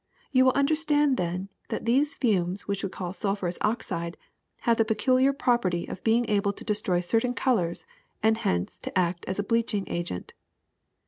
You will undertsand, then, that these fumes, which we call sulphurous oxide, have the peculiar prop erty of being able to destroy certain colors and hence to act as a bleaching agent.